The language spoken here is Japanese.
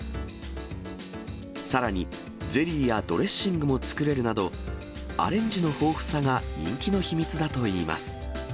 さらにゼリーやドレッシングも作れるなど、アレンジの豊富さが人気の秘密だといいます。